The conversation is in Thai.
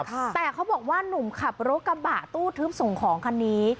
แต่เขาบอกว่านุ่มขับรถกระบะตู้ทึบส่งของคันนี้